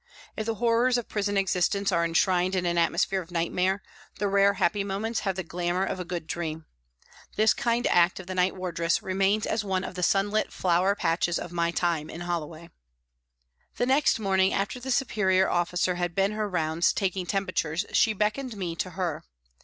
If the horrors of prison existence are enshrined in an atmosphere of nightmare, the rare happy moments have the glamour of a good dream. This kind act of the night wardress remains as one of the sunlit flower patches of my time in Holloway. The next morning after the superior officer had been her rounds taking temperatures, she beckoned me to her.